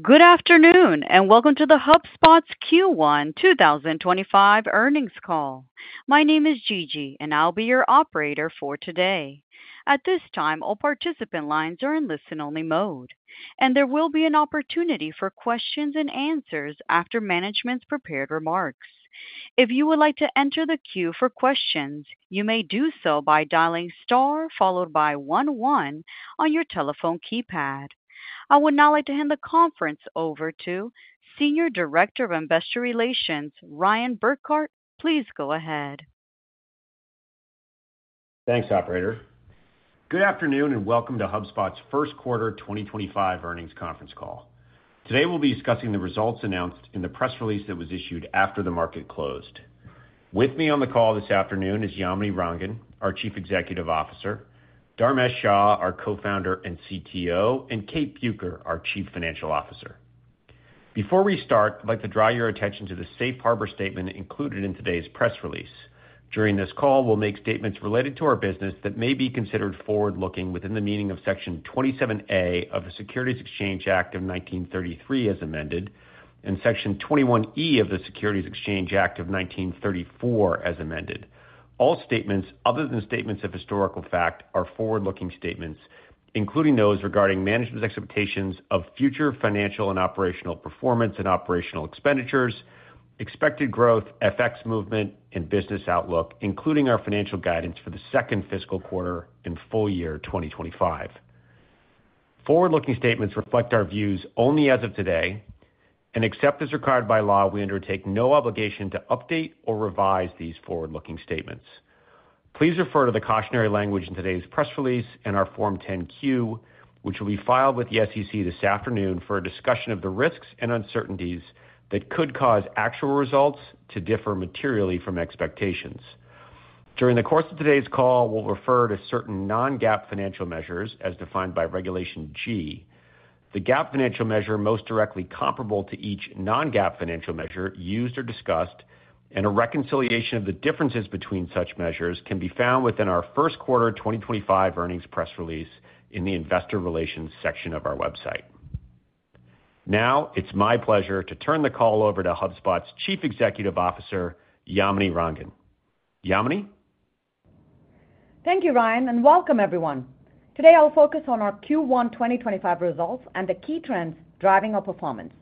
Good afternoon, and welcome to the HubSpot's Q1 2025 Earnings Call. My name is Gigi, and I'll be your operator for today. At this time, all participant lines are in listen-only mode, and there will be an opportunity for questions and answers after management's prepared remarks. If you would like to enter the queue for questions, you may do so by dialing star followed by one one on your telephone keypad. I would now like to hand the conference over to Senior Director of Investor Relations, Ryan Burkart. Please go ahead. Thanks, Operator. Good afternoon, and welcome to HubSpot's First Quarter 2025 Earnings Conference Call. Today, we'll be discussing the results announced in the press release that was issued after the market closed. With me on the call this afternoon is Yamini Rangan, our Chief Executive Officer, Dharmesh Shah, our Co-Founder and CTO, and Kate Bueker, our Chief Financial Officer. Before we start, I'd like to draw your attention to the safe harbor statement included in today's press release. During this call, we'll make statements related to our business that may be considered forward-looking within the meaning of Section 27A of the Securities Exchange Act of 1933 as amended, and Section 21E of the Securities Exchange Act of 1934 as amended. All statements other than statements of historical fact are forward-looking statements, including those regarding management's expectations of future financial and operational performance and operational expenditures, expected growth, FX movement, and business outlook, including our financial guidance for the second fiscal quarter and full year 2025. Forward-looking statements reflect our views only as of today, and except as required by law, we undertake no obligation to update or revise these forward-looking statements. Please refer to the cautionary language in today's press release and our Form 10-Q, which will be filed with the SEC this afternoon for a discussion of the risks and uncertainties that could cause actual results to differ materially from expectations. During the course of today's call, we'll refer to certain non-GAAP financial measures as defined by Regulation G. The GAAP financial measure most directly comparable to each non-GAAP financial measure used or discussed, and a reconciliation of the differences between such measures, can be found within our first quarter 2025 earnings press release in the Investor Relations section of our website. Now, it's my pleasure to turn the call over to HubSpot's Chief Executive Officer, Yamini Rangan. Yamini? Thank you, Ryan, and welcome, everyone. Today, I'll focus on our Q1 2025 results and the key trends driving our performance.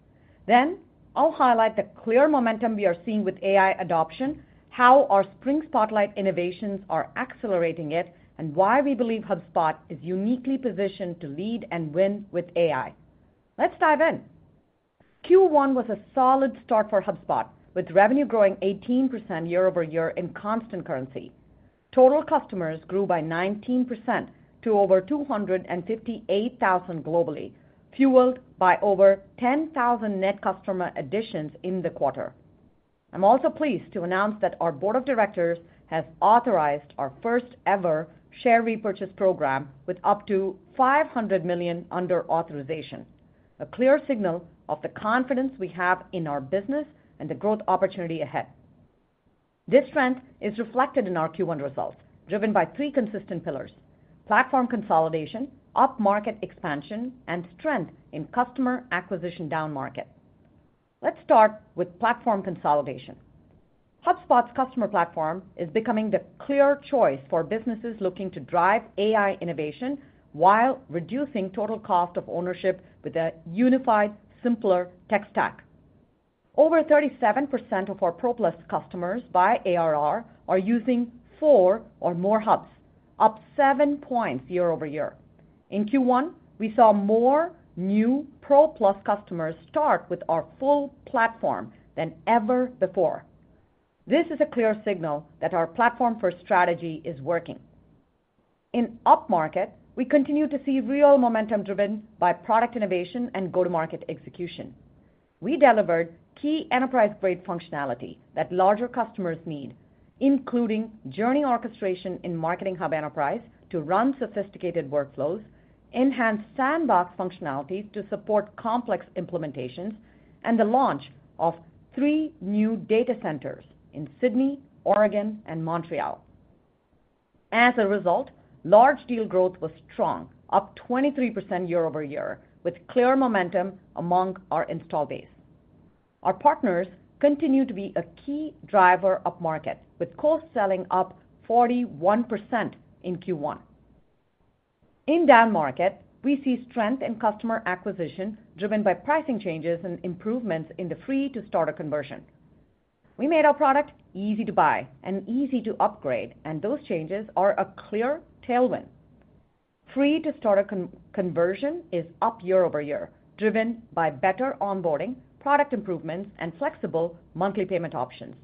Then, I'll highlight the clear momentum we are seeing with AI adoption, how our spring spotlight innovations are accelerating it, and why we believe HubSpot is uniquely positioned to lead and win with AI. Let's dive in. Q1 was a solid start for HubSpot, with revenue growing 18% year-over-year in constant currency. Total customers grew by 19% to over 258,000 globally, fueled by over 10,000 net customer additions in the quarter. I'm also pleased to announce that our Board of Directors has authorized our first-ever share repurchase program with up to $500 million under authorization, a clear signal of the confidence we have in our business and the growth opportunity ahead. This strength is reflected in our Q1 results, driven by three consistent pillars: platform consolidation, up-market expansion, and strength in customer acquisition down-market. Let's start with platform consolidation. HubSpot's customer platform is becoming the clear choice for businesses looking to drive AI innovation while reducing total cost of ownership with a unified, simpler tech stack. Over 37% of our Pro+ customers by ARR are using four or more hubs, up seven points year-over-year. In Q1, we saw more new Pro+ customers start with our full platform than ever before. This is a clear signal that our platform for strategy is working. In up-market, we continue to see real momentum driven by product innovation and go-to-market execution. We delivered key enterprise-grade functionality that larger customers need, including journey orchestration in Marketing Hub Enterprise to run sophisticated workflows, enhanced sandbox functionality to support complex implementations, and the launch of three new data centers in Sydney, Oregon, and Montreal. As a result, large deal growth was strong, up 23% year-over-year, with clear momentum among our installed base. Our partners continue to be a key driver up-market, with co-selling up 41% in Q1. In down-market, we see strength in customer acquisition driven by pricing changes and improvements in the free-to-starter conversion. We made our product easy to buy and easy to upgrade, and those changes are a clear tailwind. Free-to-starter conversion is up year-over-year, driven by better onboarding, product improvements, and flexible monthly payment options.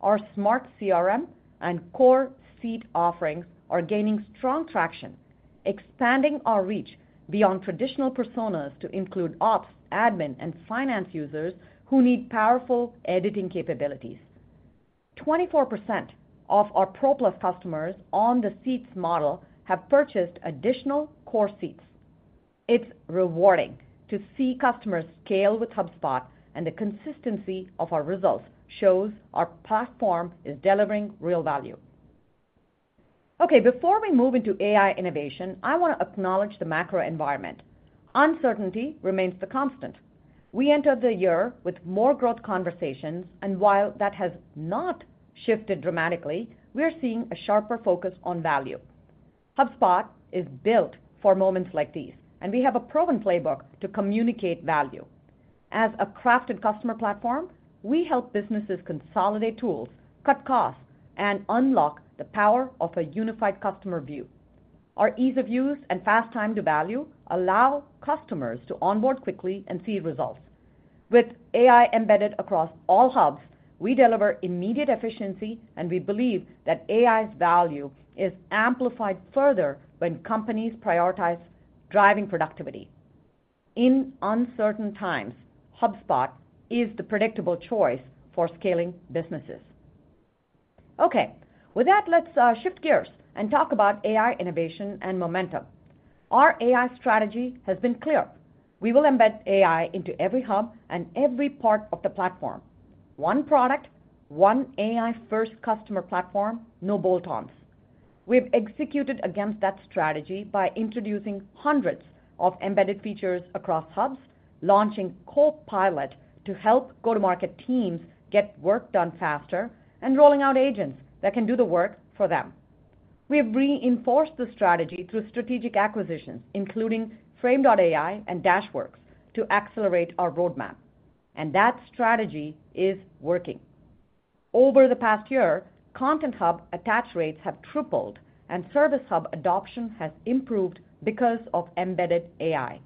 Our Smart CRM and core seat offerings are gaining strong traction, expanding our reach beyond traditional personas to include ops, admin, and finance users who need powerful editing capabilities. 24% of our Pro+ customers on the seats model have purchased additional core seats. It's rewarding to see customers scale with HubSpot, and the consistency of our results shows our platform is delivering real value. Okay, before we move into AI innovation, I want to acknowledge the macro environment. Uncertainty remains the constant. We entered the year with more growth conversations, and while that has not shifted dramatically, we are seeing a sharper focus on value. HubSpot is built for moments like these, and we have a proven playbook to communicate value. As a crafted customer platform, we help businesses consolidate tools, cut costs, and unlock the power of a unified customer view. Our ease of use and fast time to value allow customers to onboard quickly and see results. With AI embedded across all hubs, we deliver immediate efficiency, and we believe that AI's value is amplified further when companies prioritize driving productivity. In uncertain times, HubSpot is the predictable choice for scaling businesses. Okay, with that, let's shift gears and talk about AI innovation and momentum. Our AI strategy has been clear. We will embed AI into every hub and every part of the platform. One product, one AI-first customer platform, no bolt-ons. We've executed against that strategy by introducing hundreds of embedded features across hubs, launching Copilot to help go-to-market teams get work done faster, and rolling out agents that can do the work for them. We have reinforced the strategy through strategic acquisitions, including Frame AI and Dashworks, to accelerate our roadmap. And that strategy is working. Over the past year, Content Hub attach rates have tripled, and Service Hub adoption has improved because of embedded AI.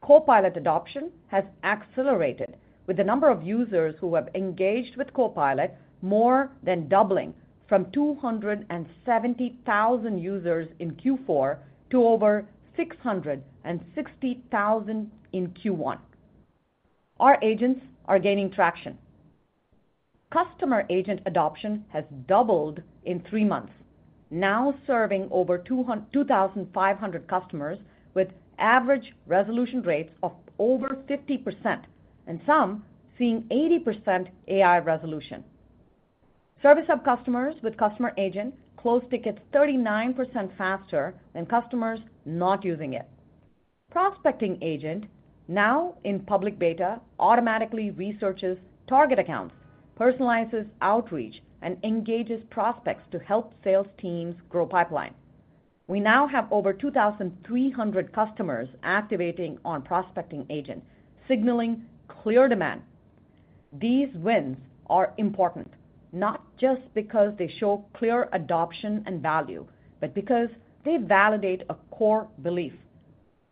Copilot adoption has accelerated, with the number of users who have engaged with Copilot more than doubling from 270,000 users in Q4 to over 660,000 in Q1. Our agents are gaining traction. Customer Agent adoption has doubled in three months, now serving over 2,500 customers with average resolution rates of over 50%, and some seeing 80% AI resolution. Service Hub customers with Customer Agent close tickets 39% faster than customers not using it. Prospecting Agent, now in public beta, automatically researches target accounts, personalizes outreach, and engages prospects to help sales teams grow pipeline. We now have over 2,300 customers activating on Prospecting Agent, signaling clear demand. These wins are important, not just because they show clear adoption and value, but because they validate a core belief.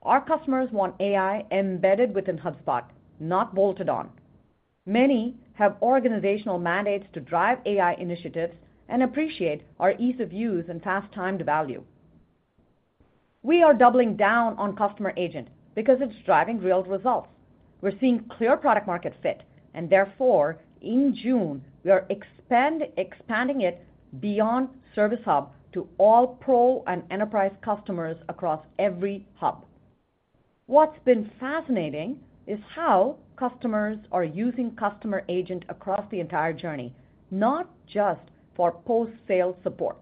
Our customers want AI embedded within HubSpot, not bolted on. Many have organizational mandates to drive AI initiatives and appreciate our ease of use and fast time to value. We are doubling down on Customer Agent because it's driving real results. We're seeing clear product-market fit, and therefore, in June, we are expanding it beyond Service Hub to all Pro and Enterprise customers across every hub. What's been fascinating is how customers are using Customer Agent across the entire journey, not just for post-sale support.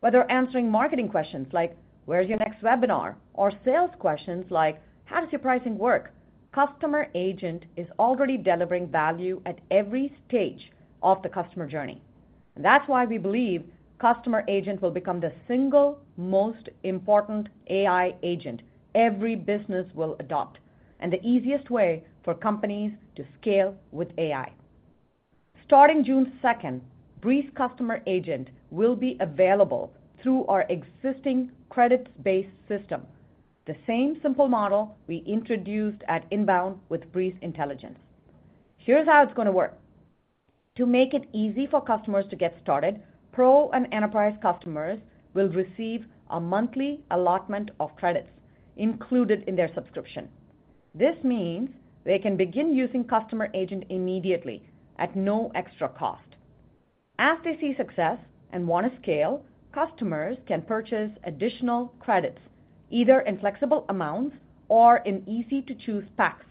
Whether answering marketing questions like, "Where's your next webinar?" or sales questions like, "How does your pricing work?" Customer Agent is already delivering value at every stage of the customer journey. And that's why we believe Customer Agent will become the single most important AI agent every business will adopt, and the easiest way for companies to scale with AI. Starting June 2nd, Breeze Customer Agent will be available through our existing credits-based system, the same simple model we introduced at inbound with Breeze Intelligence. Here's how it's going to work. To make it easy for customers to get started, Pro and Enterprise customers will receive a monthly allotment of credits included in their subscription. This means they can begin using Customer Agent immediately at no extra cost. As they see success and want to scale, customers can purchase additional credits, either in flexible amounts or in easy-to-choose packs,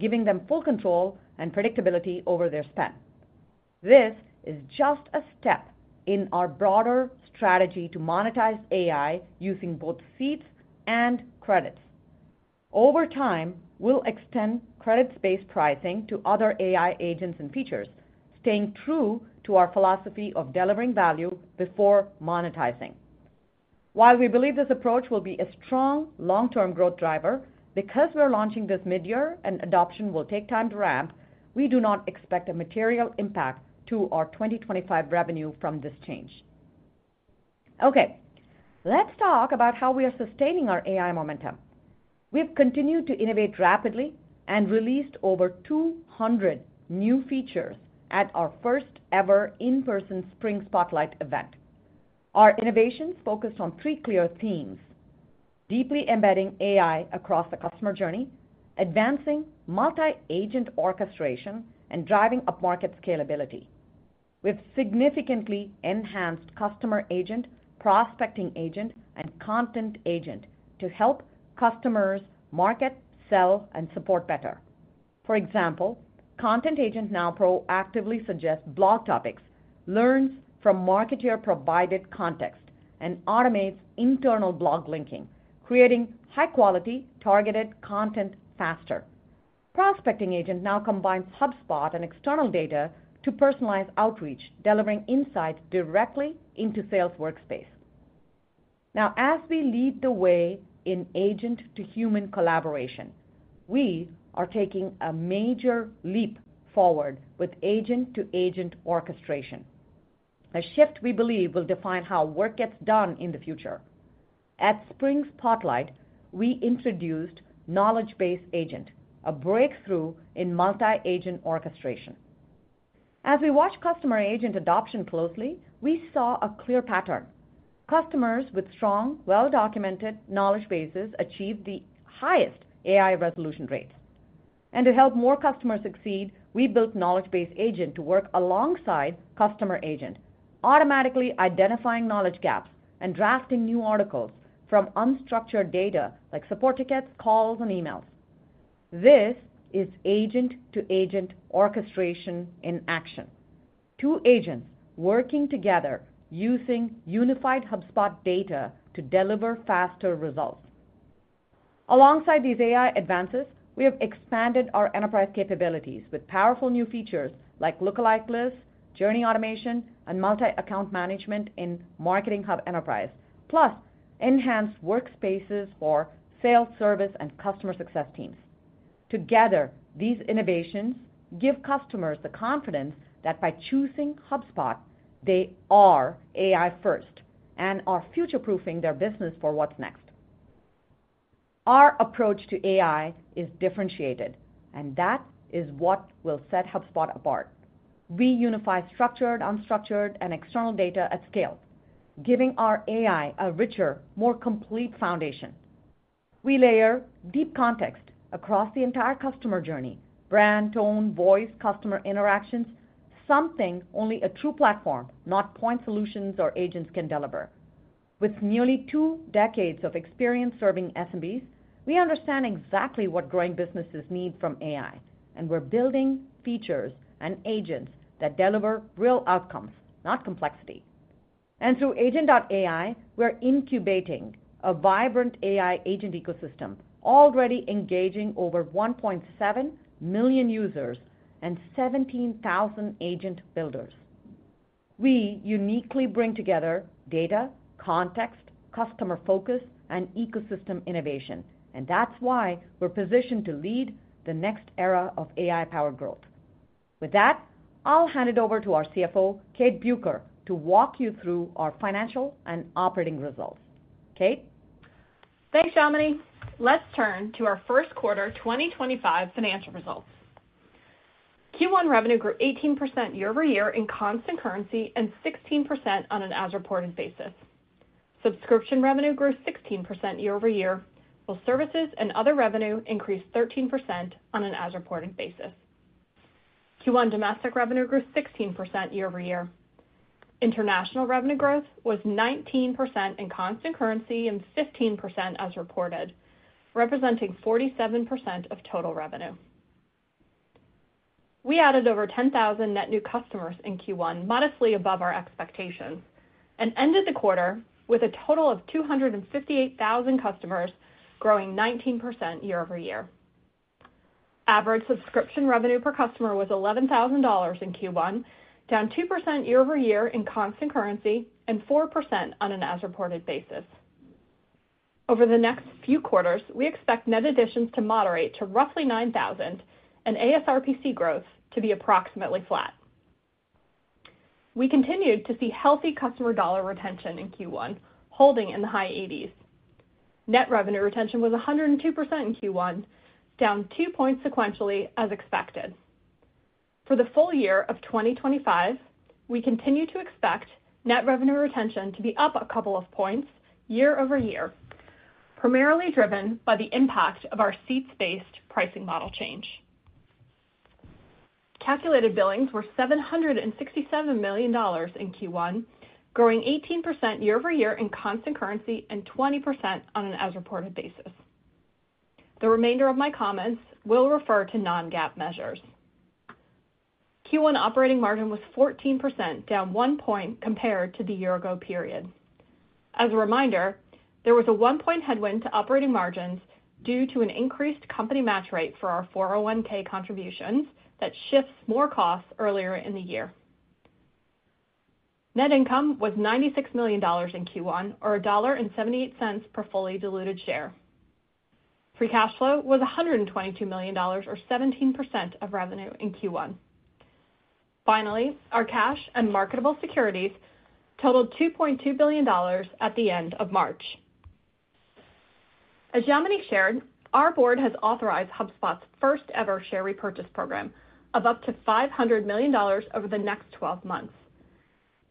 giving them full control and predictability over their spend. This is just a step in our broader strategy to monetize AI using both seats and credits. Over time, we'll extend credits-based pricing to other AI agents and features, staying true to our philosophy of delivering value before monetizing. While we believe this approach will be a strong long-term growth driver, because we're launching this mid-year and adoption will take time to ramp, we do not expect a material impact to our 2025 revenue from this change. Okay, let's talk about how we are sustaining our AI momentum. We have continued to innovate rapidly and released over 200 new features at our first-ever in-person Spring Spotlight event. Our innovations focused on three clear themes: deeply embedding AI across the customer journey, advancing multi-agent orchestration, and driving up-market scalability. We have significantly enhanced Customer Agent, Prospecting Agent, and Content Agent to help customers market, sell, and support better. For example, Content Agent now proactively suggests blog topics, learns from marketer-provided context, and automates internal blog linking, creating high-quality targeted content faster. Prospecting Agent now combines HubSpot and external data to personalize outreach, delivering insights directly into Sales Workspace. Now, as we lead the way in agent-to-human collaboration, we are taking a major leap forward with agent-to-agent orchestration, a shift we believe will define how work gets done in the future. At Spring Spotlight, we introduced Knowledge Base Agent, a breakthrough in multi-agent orchestration. As we watched Customer Agent adoption closely, we saw a clear pattern. Customers with strong, well-documented knowledge bases achieved the highest AI resolution rates, and to help more customers succeed, we built Knowledge Base Agent to work alongside Customer Agent, automatically identifying knowledge gaps and drafting new articles from unstructured data like support tickets, calls, and emails. This is agent-to-agent orchestration in action. Two agents working together using unified HubSpot data to deliver faster results. Alongside these AI advances, we have expanded our enterprise capabilities with powerful new features like lookalike lists, journey automation, and multi-account management in Marketing Hub Enterprise, plus enhanced workspaces for sales, service, and customer success teams. Together, these innovations give customers the confidence that by choosing HubSpot, they are AI-first and are future-proofing their business for what's next. Our approach to AI is differentiated, and that is what will set HubSpot apart. We unify structured, unstructured, and external data at scale, giving our AI a richer, more complete foundation. We layer deep context across the entire customer journey: brand, tone, voice, customer interactions, something only a true platform, not point solutions or agents can deliver. With nearly two decades of experience serving SMBs, we understand exactly what growing businesses need from AI, and we're building features and agents that deliver real outcomes, not complexity. And through Agent.ai, we're incubating a vibrant AI agent ecosystem, already engaging over 1.7 million users and 17,000 agent builders. We uniquely bring together data, context, customer focus, and ecosystem innovation, and that's why we're positioned to lead the next era of AI-powered growth. With that, I'll hand it over to our CFO, Kate Bueker, to walk you through our financial and operating results. Kate. Thanks, Yamini. Let's turn to our first quarter 2025 financial results. Q1 revenue grew 18% year-over-year in constant currency and 16% on an as-reported basis. Subscription revenue grew 16% year-over-year, while services and other revenue increased 13% on an as-reported basis. Q1 domestic revenue grew 16% year-over-year. International revenue growth was 19% in constant currency and 15% as reported, representing 47% of total revenue. We added over 10,000 net new customers in Q1, modestly above our expectations, and ended the quarter with a total of 258,000 customers, growing 19% year-over-year. Average subscription revenue per customer was $11,000 in Q1, down 2% year-over-year in constant currency and 4% on an as-reported basis. Over the next few quarters, we expect net additions to moderate to roughly 9,000 and ASRPC growth to be approximately flat. We continued to see healthy customer dollar retention in Q1, holding in the high 80s. Net revenue retention was 102% in Q1, down two points sequentially as expected. For the full year of 2025, we continue to expect net revenue retention to be up a couple of points year-over-year, primarily driven by the impact of our seats-based pricing model change. Calculated billings were $767 million in Q1, growing 18% year-over-year in constant currency and 20% on an as-reported basis. The remainder of my comments will refer to non-GAAP measures. Q1 operating margin was 14%, down one point compared to the year-ago period. As a reminder, there was a one-point headwind to operating margins due to an increased company match rate for our 401(k) contributions that shifts more costs earlier in the year. Net income was $96 million in Q1, or $1.78 per fully diluted share. Free cash flow was $122 million, or 17% of revenue in Q1. Finally, our cash and marketable securities totaled $2.2 billion at the end of March. As Yamini shared, our board has authorized HubSpot's first-ever share repurchase program of up to $500 million over the next 12 months.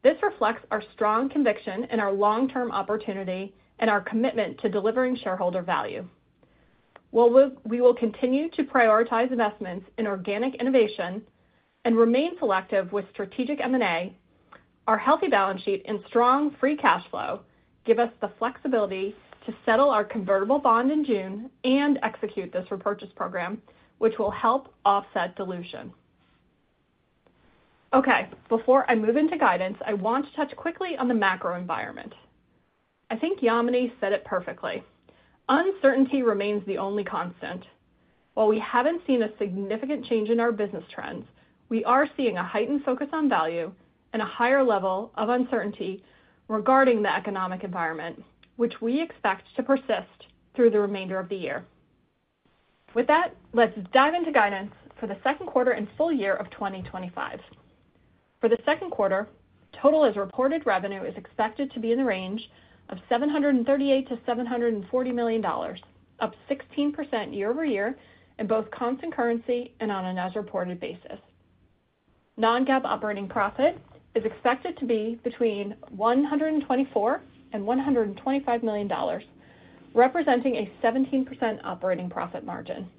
This reflects our strong conviction in our long-term opportunity and our commitment to delivering shareholder value. While we will continue to prioritize investments in organic innovation and remain selective with strategic M&A, our healthy balance sheet and strong free cash flow give us the flexibility to settle our convertible bond in June and execute this repurchase program, which will help offset dilution. Okay, before I move into guidance, I want to touch quickly on the macro environment. I think Yamini said it perfectly. Uncertainty remains the only constant. While we haven't seen a significant change in our business trends, we are seeing a heightened focus on value and a higher level of uncertainty regarding the economic environment, which we expect to persist through the remainder of the year. With that, let's dive into guidance for the second quarter and full year of 2025. For the second quarter, total as-reported revenue is expected to be in the range of $738 million-$740 million, up 16% year-over-year in both constant currency and on an as-reported basis. Non-GAAP operating profit is expected to be between $124 million and $125 million, representing a 17% operating profit margin.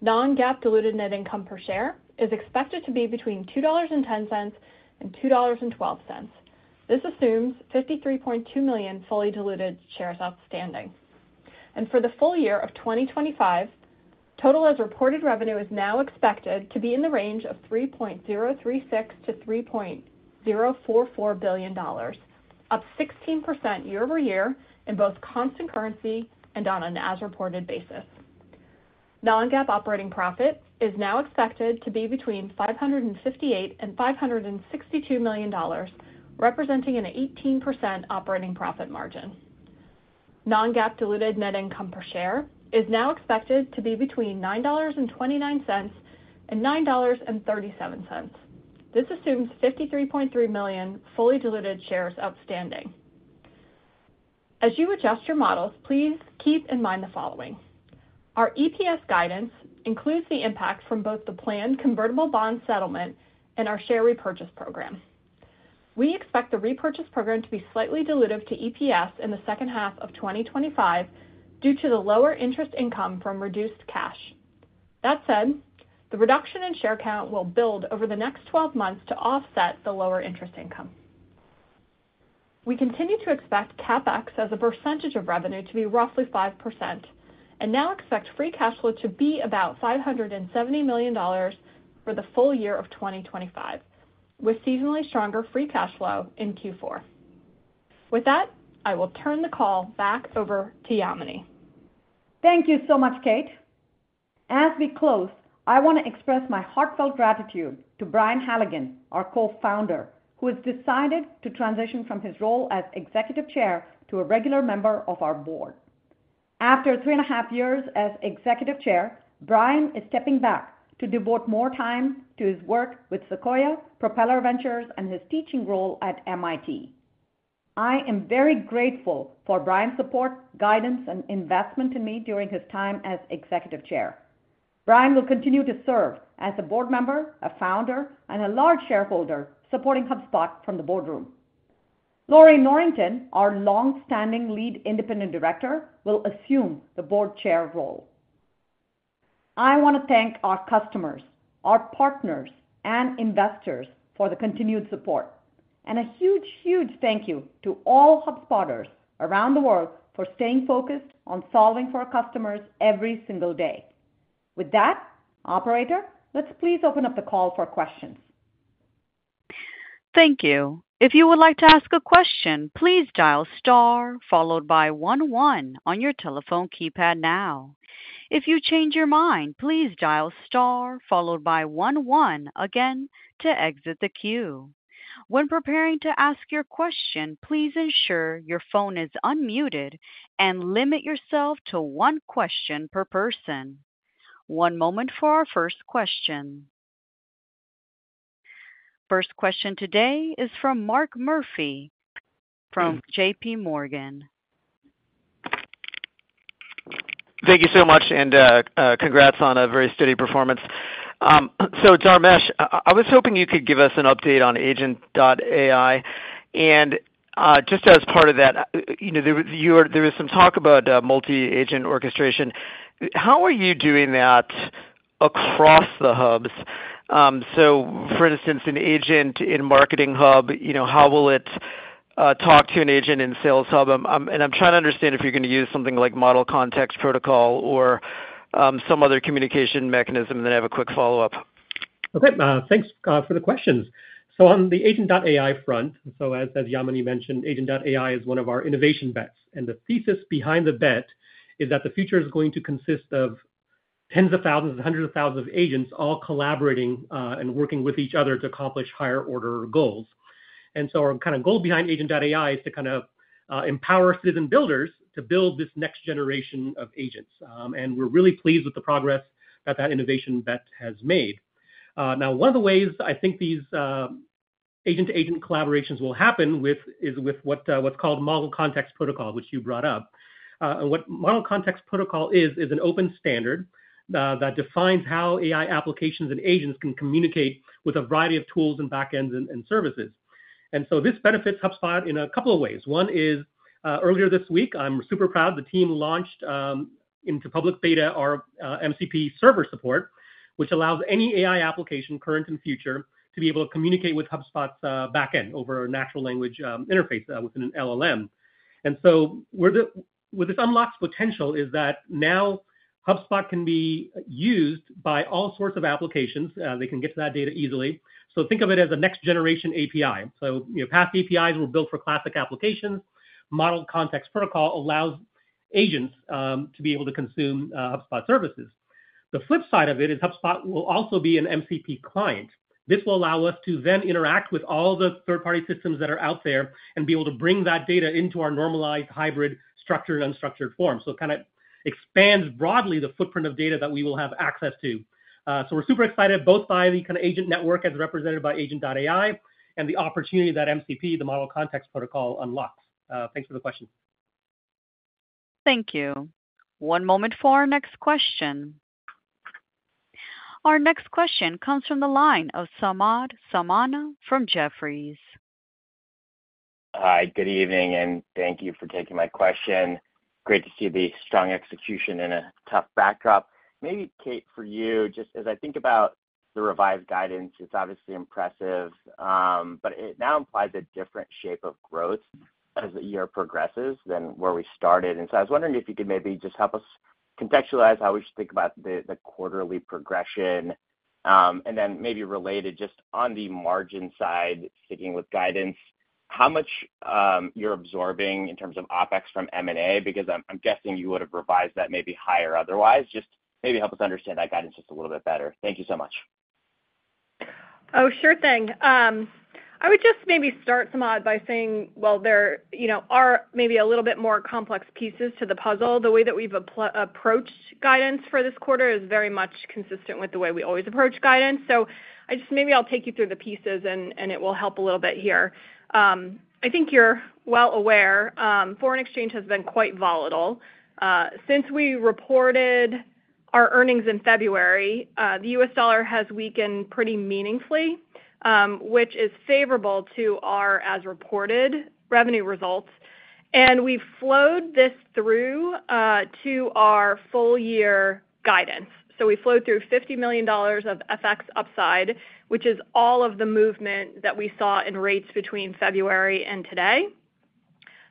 Non-GAAP diluted net income per share is expected to be between $2.10 and $2.12. This assumes 53.2 million fully diluted shares outstanding. For the full year of 2025, total as-reported revenue is now expected to be in the range of $3.036 billion-$3.044 billion, up 16% year-over-year in both constant currency and on an as-reported basis. Non-GAAP operating profit is now expected to be between $558 million and $562 million, representing an 18% operating profit margin. Non-GAAP diluted net income per share is now expected to be between $9.29 and $9.37. This assumes 53.3 million fully diluted shares outstanding. As you adjust your models, please keep in mind the following. Our EPS guidance includes the impact from both the planned convertible bond settlement and our share repurchase program. We expect the repurchase program to be slightly diluted to EPS in the second half of 2025 due to the lower interest income from reduced cash. That said, the reduction in share count will build over the next 12 months to offset the lower interest income. We continue to expect CapEx as a percentage of revenue to be roughly 5%, and now expect free cash flow to be about $570 million for the full year of 2025, with seasonally stronger free cash flow in Q4. With that, I will turn the call back over to Yamini. Thank you so much, Kate. As we close, I want to express my heartfelt gratitude to Brian Halligan, our co-founder, who has decided to transition from his role as executive chair to a regular member of our board. After three and a half years as executive chair, Brian is stepping back to devote more time to his work with Propeller Ventures and his teaching role at MIT. I am very grateful for Brian's support, guidance, and investment in me during his time as executive chair. Brian will continue to serve as a board member, a founder, and a large shareholder supporting HubSpot from the boardroom. Lorrie Norrington, our longstanding lead independent director, will assume the board chair role. I want to thank our customers, our partners, and investors for the continued support. And a huge, huge thank you to all HubSpotters around the world for staying focused on solving for our customers every single day. With that, operator, let's please open up the call for questions. Thank you. If you would like to ask a question, please dial star followed by one one on your telephone keypad now. If you change your mind, please dial star followed by one one again to exit the queue. When preparing to ask your question, please ensure your phone is unmuted and limit yourself to one question per person. One moment for our first question. First question today is from Mark Murphy from JPMorgan. Thank you so much, and congrats on a very steady performance. So Dharmesh, I was hoping you could give us an update on Agent.ai. And just as part of that, there was some talk about multi-agent orchestration. How are you doing that across the hubs? So for instance, an agent in Marketing Hub, how will it talk to an agent in Sales Hub? And I'm trying to understand if you're going to use something like Model Context Protocol or some other communication mechanism, and then have a quick follow-up. Okay, thanks for the questions, so on the Agent.ai front, so as Yamini mentioned, Agent.ai is one of our innovation bets, and the thesis behind the bet is that the future is going to consist of tens of thousands, hundreds of thousands of agents all collaborating and working with each other to accomplish higher-order goals, and so our kind of goal behind Agent.ai is to kind of empower citizen builders to build this next generation of agents, and we're really pleased with the progress that that innovation bet has made. Now, one of the ways I think these agent-to-agent collaborations will happen is with what's called Model Context Protocol, which you brought up. And what Model Context Protocol is, is an open standard that defines how AI applications and agents can communicate with a variety of tools and backends and services. And so this benefits HubSpot in a couple of ways. One is, earlier this week, I'm super proud the team launched into public beta our MCP server support, which allows any AI application, current and future, to be able to communicate with HubSpot's backend over a natural language interface with an LLM. And so where this unlocks potential is that now HubSpot can be used by all sorts of applications. They can get to that data easily. So think of it as a next-generation API. So past APIs were built for classic applications. Model Context Protocol allows agents to be able to consume HubSpot services. The flip side of it is HubSpot will also be an MCP client. This will allow us to then interact with all the third-party systems that are out there and be able to bring that data into our normalized hybrid structured and unstructured form. So it kind of expands broadly the footprint of data that we will have access to. So we're super excited both by the kind of agent network as represented by Agent.ai and the opportunity that MCP, the Model Context Protocol, unlocks. Thanks for the question. Thank you. One moment for our next question. Our next question comes from the line of Samad Samana from Jefferies. Hi, good evening, and thank you for taking my question. Great to see the strong execution in a tough backdrop. Maybe, Kate, for you, just as I think about the revised guidance, it's obviously impressive, but it now implies a different shape of growth as the year progresses than where we started. And so I was wondering if you could maybe just help us contextualize how we should think about the quarterly progression. And then maybe related just on the margin side, sticking with guidance, how much you're absorbing in terms of OpEx from M&A? Because I'm guessing you would have revised that maybe higher otherwise. Just maybe help us understand that guidance just a little bit better. Thank you so much. Oh, sure thing. I would just maybe start, Samad, by saying, well, there are maybe a little bit more complex pieces to the puzzle. The way that we've approached guidance for this quarter is very much consistent with the way we always approach guidance. So I just maybe I'll take you through the pieces, and it will help a little bit here. I think you're well aware, foreign exchange has been quite volatile. Since we reported our earnings in February, the U.S. dollar has weakened pretty meaningfully, which is favorable to our as-reported revenue results. And we flowed this through to our full-year guidance. So we flowed through $50 million of FX upside, which is all of the movement that we saw in rates between February and today.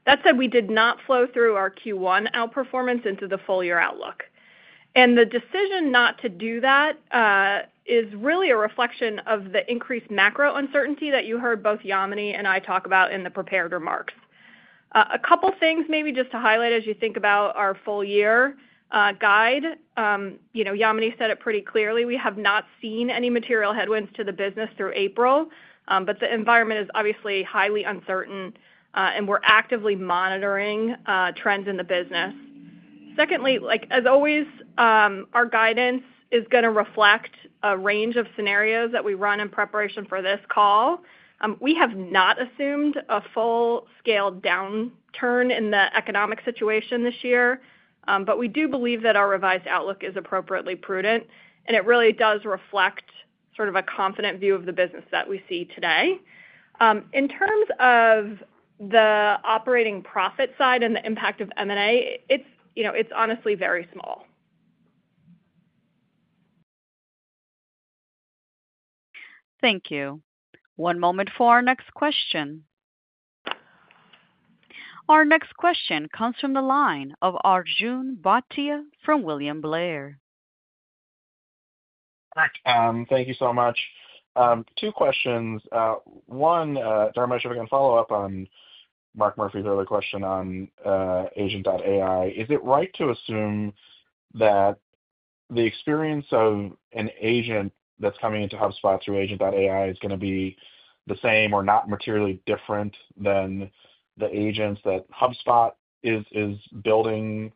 That said, we did not flow through our Q1 outperformance into the full-year outlook. And the decision not to do that is really a reflection of the increased macro uncertainty that you heard both Yamini and I talk about in the prepared remarks. A couple of things maybe just to highlight as you think about our full-year guide. Yamini said it pretty clearly. We have not seen any material headwinds to the business through April, but the environment is obviously highly uncertain, and we're actively monitoring trends in the business. Secondly, as always, our guidance is going to reflect a range of scenarios that we run in preparation for this call. We have not assumed a full-scale downturn in the economic situation this year, but we do believe that our revised outlook is appropriately prudent, and it really does reflect sort of a confident view of the business that we see today. In terms of the operating profit side and the impact of M&A, it's honestly very small. Thank you. One moment for our next question. Our next question comes from the line of Arjun Bhatia from William Blair. Thank you so much. Two questions. One, Dharmesh, if I can follow up on Mark Murphy's earlier question on Agent.ai. Is it right to assume that the experience of an agent that's coming into HubSpot through Agent.ai is going to be the same or not materially different than the agents that HubSpot is building,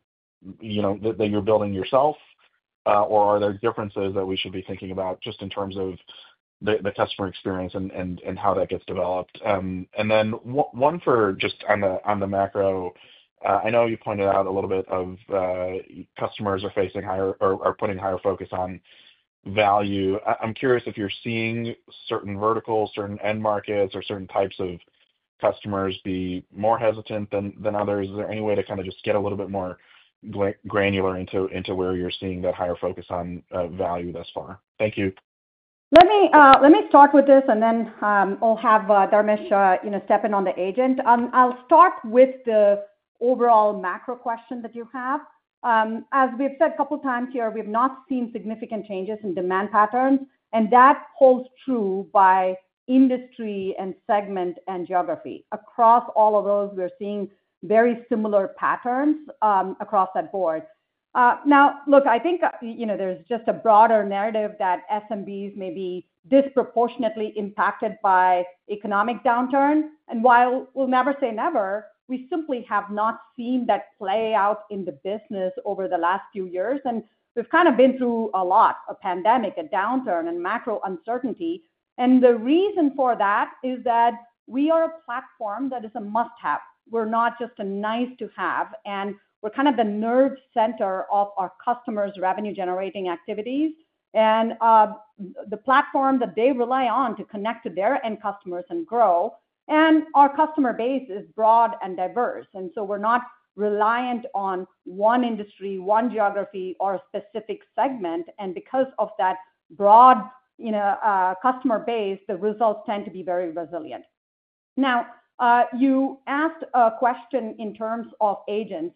that you're building yourself? Or are there differences that we should be thinking about just in terms of the customer experience and how that gets developed? And then one for just on the macro, I know you pointed out a little bit of customers are putting higher focus on value. I'm curious if you're seeing certain verticals, certain end markets, or certain types of customers be more hesitant than others. Is there any way to kind of just get a little bit more granular into where you're seeing that higher focus on value thus far? Thank you. Let me start with this, and then I'll have Dharmesh step in on the agent. I'll start with the overall macro question that you have. As we've said a couple of times here, we've not seen significant changes in demand patterns, and that holds true by industry and segment and geography. Across all of those, we're seeing very similar patterns across the board. Now, look, I think there's just a broader narrative that SMBs may be disproportionately impacted by economic downturn. And while we'll never say never, we simply have not seen that play out in the business over the last few years. And we've kind of been through a lot, a pandemic, a downturn, and macro uncertainty. And the reason for that is that we are a platform that is a must-have. We're not just a nice-to-have, and we're kind of the nerve center of our customers' revenue-generating activities. And the platform that they rely on to connect to their end customers and grow. And our customer base is broad and diverse. And so we're not reliant on one industry, one geography, or a specific segment. And because of that broad customer base, the results tend to be very resilient. Now, you asked a question in terms of agents.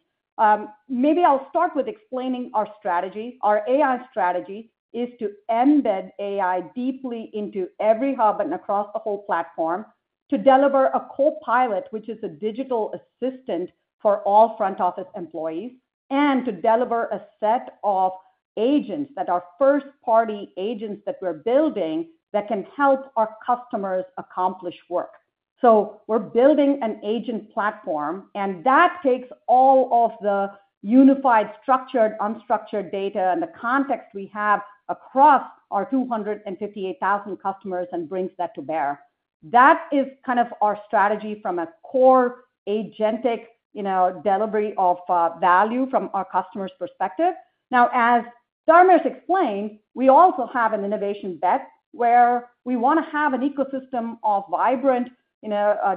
Maybe I'll start with explaining our strategy. Our AI strategy is to embed AI deeply into every hub and across the whole platform to deliver a co-pilot, which is a digital assistant for all front office employees, and to deliver a set of agents that are first-party agents that we're building that can help our customers accomplish work. So we're building an agent platform, and that takes all of the unified structured, unstructured data and the context we have across our 258,000 customers and brings that to bear. That is kind of our strategy from a core agentic delivery of value from our customer's perspective. Now, as Dharmesh explained, we also have an innovation bet where we want to have an ecosystem of vibrant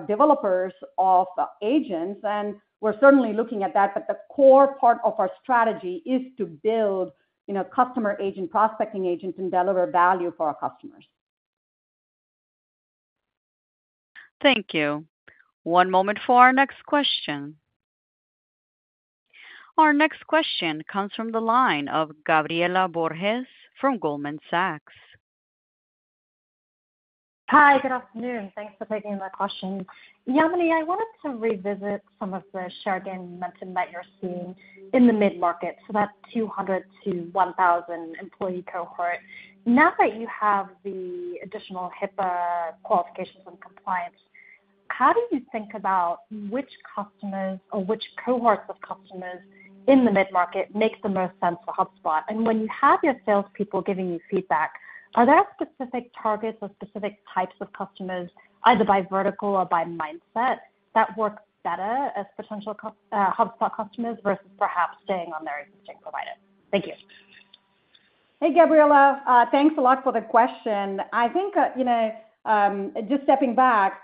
developers of agents. And we're certainly looking at that, but the core part of our strategy is to build customer agent, prospecting agent, and deliver value for our customers. Thank you. One moment for our next question. Our next question comes from the line of Gabriela Borges from Goldman Sachs. Hi, good afternoon. Thanks for taking my question. Yamini, I wanted to revisit some of the shared data you mentioned that you're seeing in the mid-market, so that 200-1,000 employee cohort. Now that you have the additional HIPAA qualifications and compliance, how do you think about which customers or which cohorts of customers in the mid-market make the most sense for HubSpot? When you have your salespeople giving you feedback, are there specific targets or specific types of customers, either by vertical or by mindset, that work better as potential HubSpot customers versus perhaps staying on their existing providers? Thank you. Hey, Gabriela, thanks a lot for the question. I think just stepping back,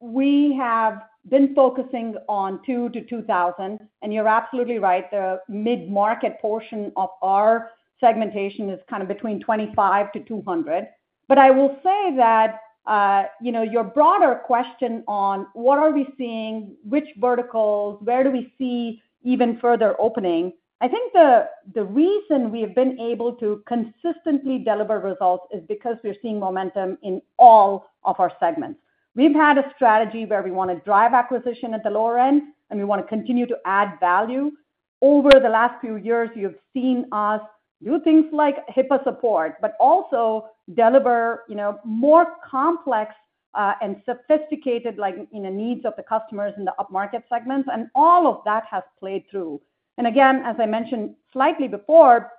we have been focusing on 2-2,000, and you're absolutely right. The mid-market portion of our segmentation is kind of between 25-200. But I will say that your broader question on what are we seeing, which verticals, where do we see even further opening. I think the reason we have been able to consistently deliver results is because we're seeing momentum in all of our segments. We've had a strategy where we want to drive acquisition at the lower end, and we want to continue to add value. Over the last few years, you've seen us do things like HIPAA support, but also deliver more complex and sophisticated needs of the customers in the upmarket segments, and all of that has played through, and again, as I mentioned slightly before,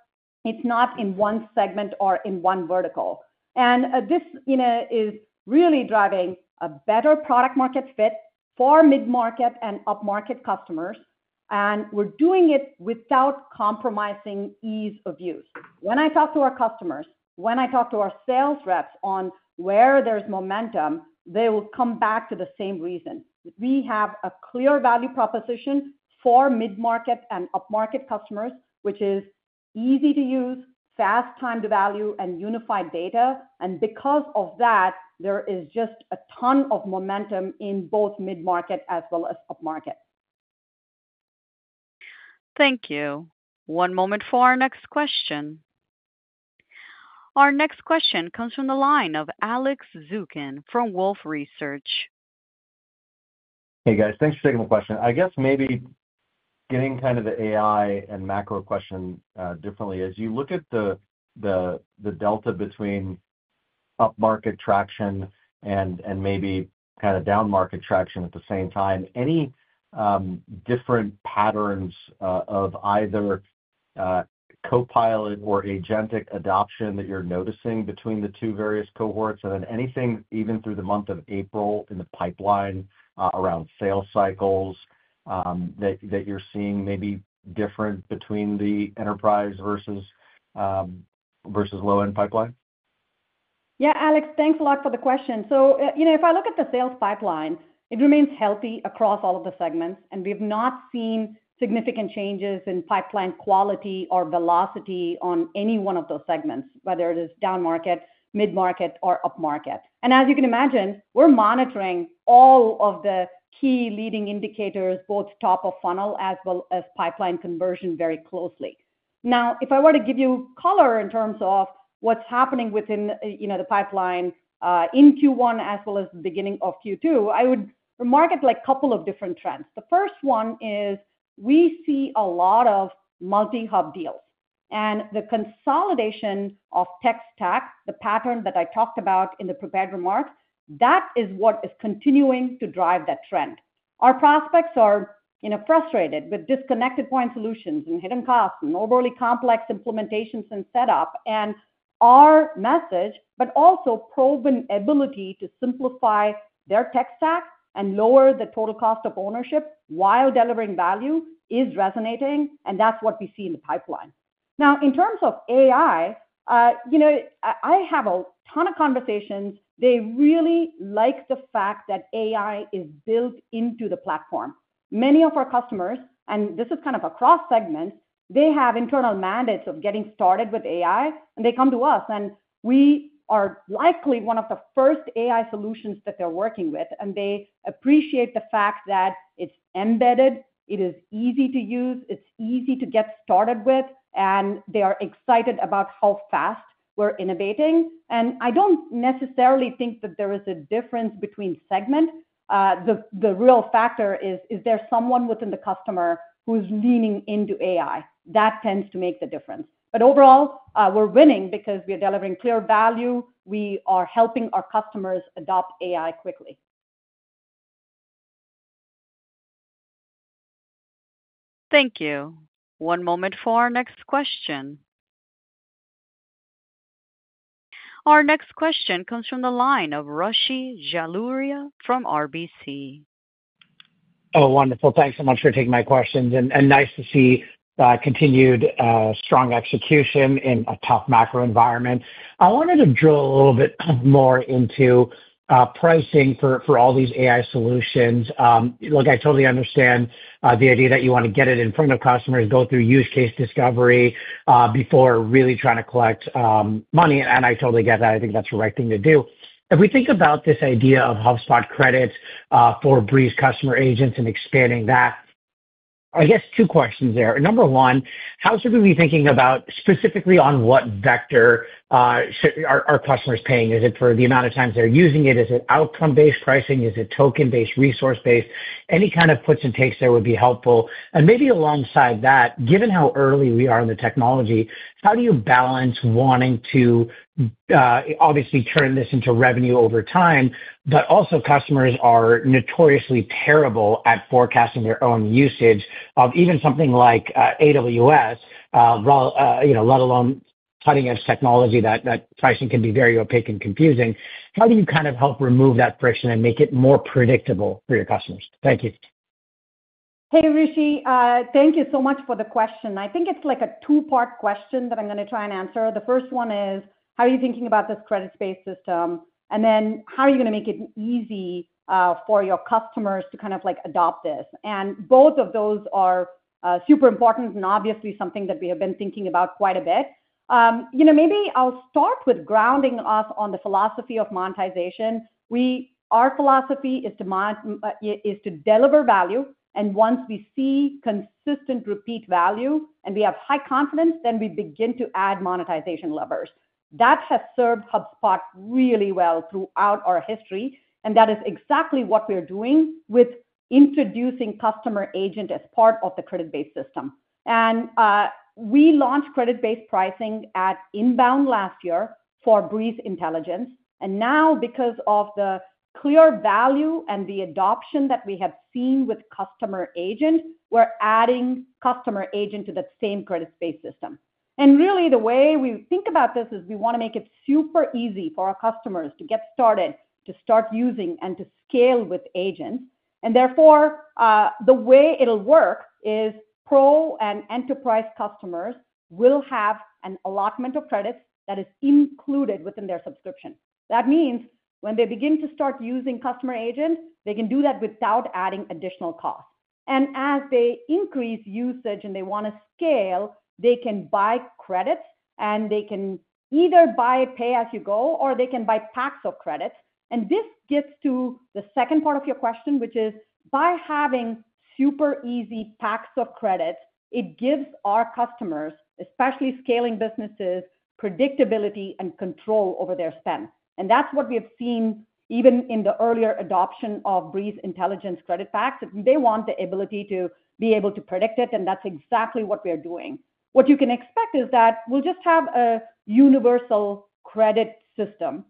it's not in one segment or in one vertical, and this is really driving a better product-market fit for mid-market and upmarket customers, and we're doing it without compromising ease of use. When I talk to our customers, when I talk to our sales reps on where there's momentum, they will come back to the same reason. We have a clear value proposition for mid-market and upmarket customers, which is easy to use, fast time to value, and unified data, and because of that, there is just a ton of momentum in both mid-market as well as upmarket. Thank you. One moment for our next question. Our next question comes from the line of Alex Zukin from Wolfe Research. Hey, guys. Thanks for taking the question. I guess maybe getting kind of the AI and macro question differently. As you look at the delta between upmarket traction and maybe kind of downmarket traction at the same time, any different patterns of either Copilot or agentic adoption that you're noticing between the two various cohorts? And then anything even through the month of April in the pipeline around sales cycles that you're seeing maybe different between the enterprise versus low-end pipeline? Yeah, Alex, thanks a lot for the question. So if I look at the sales pipeline, it remains healthy across all of the segments, and we've not seen significant changes in pipeline quality or velocity on any one of those segments, whether it is downmarket, mid-market, or upmarket. And as you can imagine, we're monitoring all of the key leading indicators, both top of funnel as well as pipeline conversion, very closely. Now, if I were to give you color in terms of what's happening within the pipeline in Q1 as well as the beginning of Q2, I would remark at a couple of different trends. The first one is we see a lot of multi-hub deals. And the consolidation of tech stack, the pattern that I talked about in the prepared remarks, that is what is continuing to drive that trend. Our prospects are frustrated with disconnected point solutions and hidden costs and overly complex implementations and setup. And our message, but also proven ability to simplify their tech stack and lower the total cost of ownership while delivering value, is resonating, and that's what we see in the pipeline. Now, in terms of AI, I have a ton of conversations. They really like the fact that AI is built into the platform. Many of our customers, and this is kind of across segments, they have internal mandates of getting started with AI, and they come to us, and we are likely one of the first AI solutions that they're working with. And they appreciate the fact that it's embedded, it is easy to use, it's easy to get started with, and they are excited about how fast we're innovating. And I don't necessarily think that there is a difference between segment. The real factor is, is there someone within the customer who's leaning into AI? That tends to make the difference. But overall, we're winning because we are delivering clear value. We are helping our customers adopt AI quickly. Thank you. One moment for our next question. Our next question comes from the line of Rishi Jaluria from RBC. Oh, wonderful. Thanks so much for taking my questions. And nice to see continued strong execution in a tough macro environment. I wanted to drill a little bit more into pricing for all these AI solutions. Look, I totally understand the idea that you want to get it in front of customers, go through use case discovery before really trying to collect money. And I totally get that. I think that's the right thing to do. If we think about this idea of HubSpot credits for Breeze Customer Agents and expanding that, I guess two questions there. Number one, how should we be thinking about specifically on what vector are customers paying? Is it for the amount of times they're using it? Is it outcome-based pricing? Is it token-based, resource-based? Any kind of puts and takes there would be helpful. And maybe alongside that, given how early we are in the technology, how do you balance wanting to obviously turn this into revenue over time, but also customers are notoriously terrible at forecasting their own usage of even something like AWS, let alone cutting-edge technology that pricing can be very opaque and confusing. How do you kind of help remove that friction and make it more predictable for your customers? Thank you. Hey, Rishi. Thank you so much for the question. I think it's like a two-part question that I'm going to try and answer. The first one is, how are you thinking about this credit-based system? And then how are you going to make it easy for your customers to kind of adopt this? Both of those are super important and obviously something that we have been thinking about quite a bit. Maybe I'll start with grounding us on the philosophy of monetization. Our philosophy is to deliver value. And once we see consistent repeat value and we have high confidence, then we begin to add monetization levers. That has served HubSpot really well throughout our history. And that is exactly what we're doing with introducing customer agent as part of the credit-based system. And we launched credit-based pricing at Inbound last year for Breeze Intelligence. And now, because of the clear value and the adoption that we have seen with customer agent, we're adding customer agent to that same credit-based system. And really, the way we think about this is we want to make it super easy for our customers to get started, to start using, and to scale with agents. And therefore, the way it'll work is Pro and Enterprise customers will have an allotment of credits that is included within their subscription. That means when they begin to start using Customer Agent, they can do that without adding additional costs. And as they increase usage and they want to scale, they can buy credits, and they can either buy pay as you go or they can buy packs of credits. And this gets to the second part of your question, which is by having super easy packs of credits, it gives our customers, especially scaling businesses, predictability and control over their spend. And that's what we have seen even in the earlier adoption of Breeze Intelligence credit packs. They want the ability to be able to predict it, and that's exactly what we are doing. What you can expect is that we'll just have a universal credit system.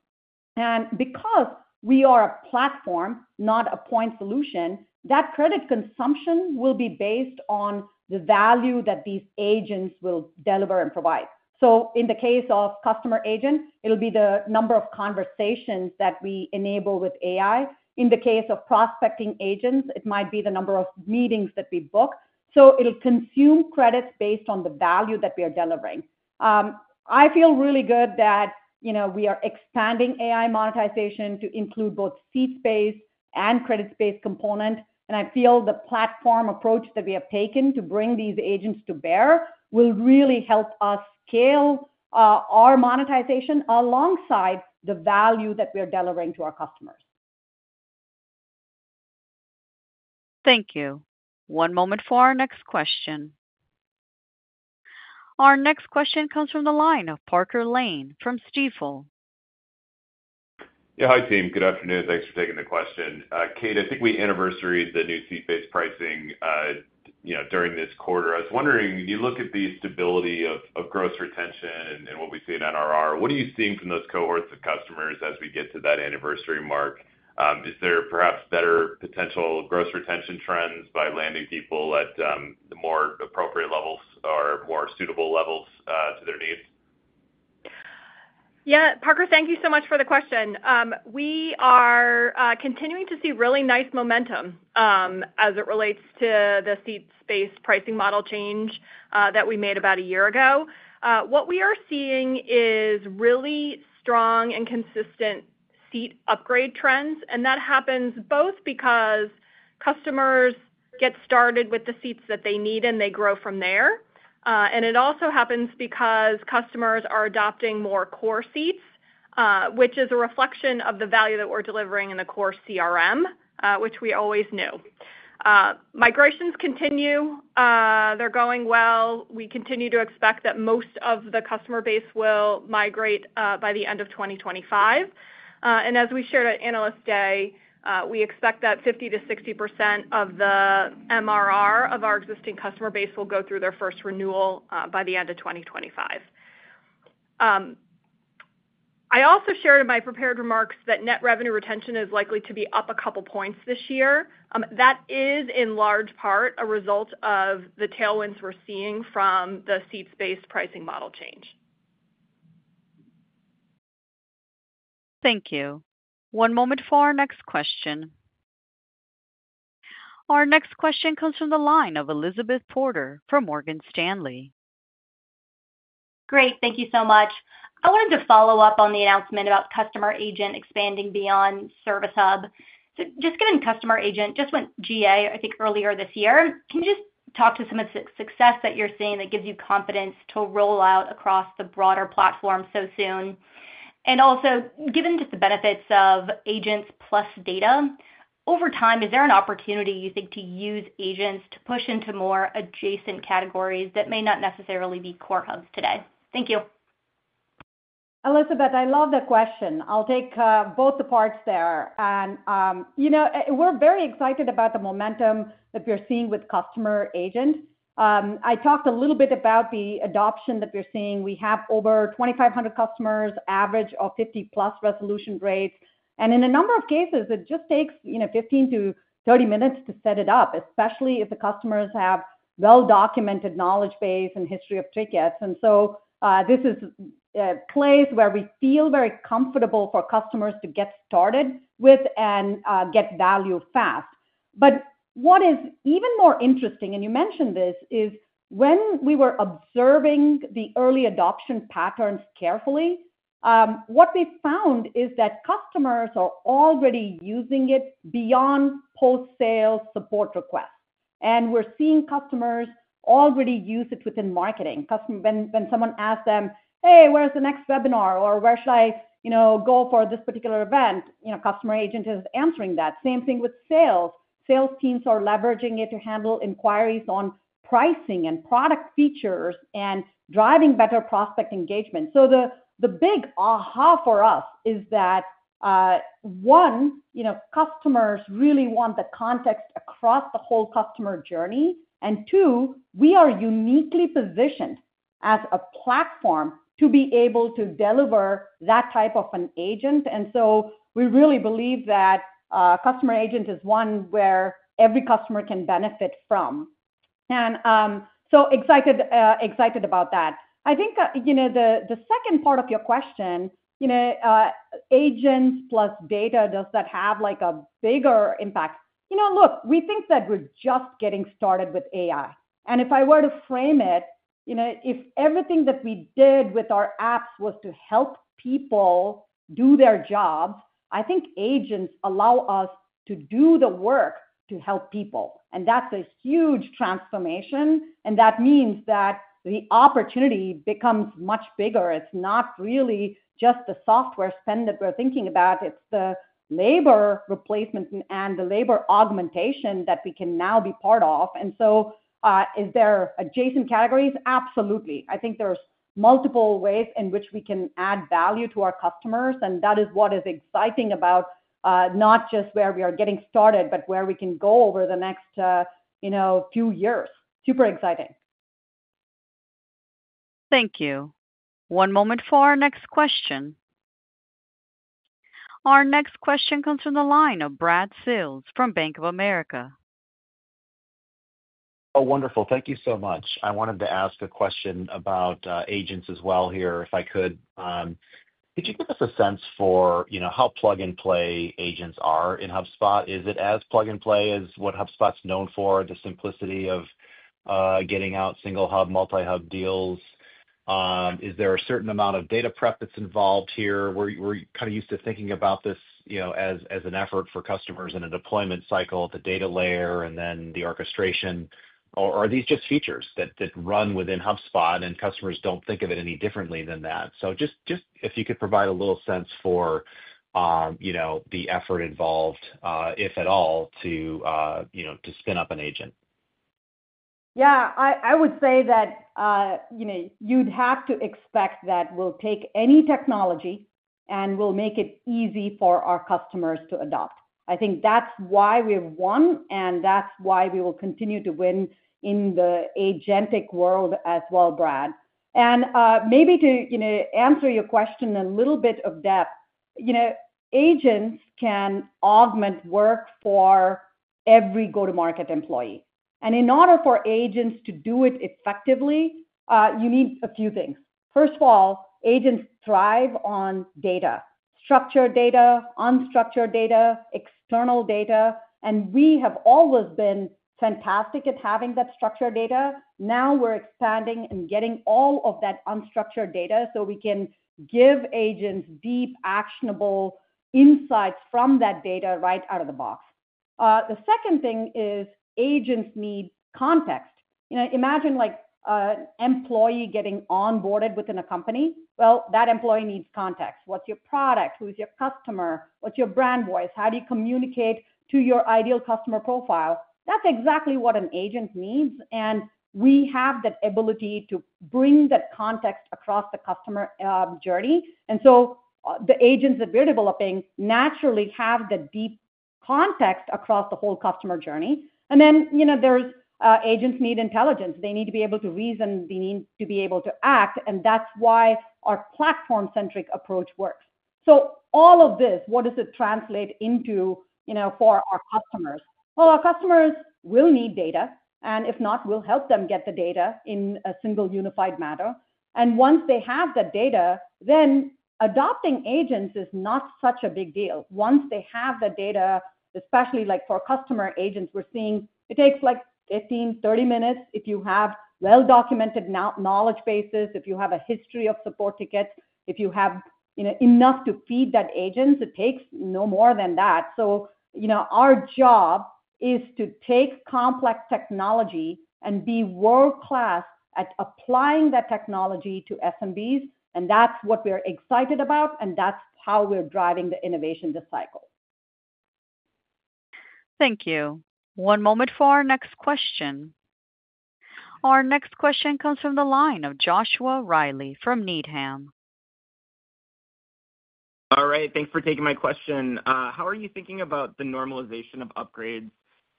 And because we are a platform, not a point solution, that credit consumption will be based on the value that these agents will deliver and provide. So in the case of customer agent, it'll be the number of conversations that we enable with AI. In the case of prospecting agents, it might be the number of meetings that we book. So it'll consume credits based on the value that we are delivering. I feel really good that we are expanding AI monetization to include both seats space and credit space component. And I feel the platform approach that we have taken to bring these agents to bear will really help us scale our monetization alongside the value that we are delivering to our customers. Thank you. One moment for our next question. Our next question comes from the line of Parker Lane from Stifel. Yeah, hi, team. Good afternoon. Thanks for taking the question. Kate, I think we anniversaried the new seats-based pricing during this quarter. I was wondering, when you look at the stability of gross retention and what we see in NRR, what are you seeing from those cohorts of customers as we get to that anniversary mark? Is there perhaps better potential gross retention trends by landing people at the more appropriate levels or more suitable levels to their needs? Yeah, Parker, thank you so much for the question. We are continuing to see really nice momentum as it relates to the seats-based pricing model change that we made about a year ago. What we are seeing is really strong and consistent seat upgrade trends. And that happens both because customers get started with the seats that they need, and they grow from there. And it also happens because customers are adopting more core seats, which is a reflection of the value that we're delivering in the core CRM, which we always knew. Migrations continue. They're going well. We continue to expect that most of the customer base will migrate by the end of 2025. And as we shared at Analyst Day, we expect that 50%-60% of the NRR of our existing customer base will go through their first renewal by the end of 2025. I also shared in my prepared remarks that net revenue retention is likely to be up a couple of points this year. That is in large part a result of the tailwinds we're seeing from the seats-based pricing model change. Thank you. One moment for our next question. Our next question comes from the line of Elizabeth Porter from Morgan Stanley. Great. Thank you so much. I wanted to follow up on the announcement about customer agent expanding beyond Service Hub. So just given customer agent just went GA, I think, earlier this year. Can you just talk to some of the success that you're seeing that gives you confidence to roll out across the broader platform so soon? And also, given just the benefits of agents plus data, over time, is there an opportunity, you think, to use agents to push into more adjacent categories that may not necessarily be core hubs today? Thank you. Elizabeth, I love that question. I'll take both the parts there. And we're very excited about the momentum that we're seeing with customer agent. I talked a little bit about the adoption that we're seeing. We have over 2,500 customers, average of 50+ resolution rates. In a number of cases, it just takes 15-30 minutes to set it up, especially if the customers have well-documented knowledge base and history of tickets. This is a place where we feel very comfortable for customers to get started with and get value fast. What is even more interesting, and you mentioned this, is when we were observing the early adoption patterns carefully, what we found is that customers are already using it beyond post-sale support requests. We're seeing customers already use it within marketing. When someone asks them, "Hey, where's the next webinar?" or "Where should I go for this particular event?" Customer Agent is answering that. Same thing with sales. Sales teams are leveraging it to handle inquiries on pricing and product features and driving better prospect engagement. So the big aha for us is that, one, customers really want the context across the whole customer journey. And two, we are uniquely positioned as a platform to be able to deliver that type of an agent. And so we really believe that customer agent is one where every customer can benefit from. And so excited about that. I think the second part of your question, agents plus data, does that have a bigger impact? Look, we think that we're just getting started with AI. And if I were to frame it, if everything that we did with our apps was to help people do their jobs, I think agents allow us to do the work to help people. And that's a huge transformation. And that means that the opportunity becomes much bigger. It's not really just the software spend that we're thinking about. It's the labor replacement and the labor augmentation that we can now be part of. And so is there adjacent categories? Absolutely. I think there's multiple ways in which we can add value to our customers. And that is what is exciting about not just where we are getting started, but where we can go over the next few years. Super exciting. Thank you. One moment for our next question. Our next question comes from the line of Brad Sills from Bank of America. Oh, wonderful. Thank you so much. I wanted to ask a question about agents as well here, if I could. Could you give us a sense for how plug-and-play agents are in HubSpot? Is it as plug-and-play as what HubSpot's known for? The simplicity of getting out single-hub, multi-hub deals? Is there a certain amount of data prep that's involved here? We're kind of used to thinking about this as an effort for customers in a deployment cycle, the data layer, and then the orchestration. Or are these just features that run within HubSpot and customers don't think of it any differently than that? So just if you could provide a little sense for the effort involved, if at all, to spin up an agent. Yeah. I would say that you'd have to expect that we'll take any technology and we'll make it easy for our customers to adopt. I think that's why we have won, and that's why we will continue to win in the agentic world as well, Brad. And maybe to answer your question a little bit of depth, agents can augment work for every go-to-market employee. And in order for agents to do it effectively, you need a few things. First of all, agents thrive on data, structured data, unstructured data, external data. And we have always been fantastic at having that structured data. Now we're expanding and getting all of that unstructured data so we can give agents deep, actionable insights from that data right out of the box. The second thing is agents need context. Imagine an employee getting onboarded within a company. Well, that employee needs context. What's your product? Who's your customer? What's your brand voice? How do you communicate to your ideal customer profile? That's exactly what an agent needs. And we have that ability to bring that context across the customer journey. And so the agents that we're developing naturally have the deep context across the whole customer journey. And then agents need intelligence. They need to be able to reason. They need to be able to act. And that's why our platform-centric approach works. So all of this, what does it translate into for our customers? Well, our customers will need data. And if not, we'll help them get the data in a single unified manner. And once they have that data, then adopting agents is not such a big deal. Once they have the data, especially for customer agents, we're seeing it takes like 15-30 minutes if you have well-documented knowledge bases, if you have a history of support tickets, if you have enough to feed that agent. It takes no more than that. So our job is to take complex technology and be world-class at applying that technology to SMBs. And that's what we're excited about, and that's how we're driving the innovation cycle. Thank you. One moment for our next question. Our next question comes from the line of Joshua Reilly from Needham. All right. Thanks for taking my question. How are you thinking about the normalization of upgrades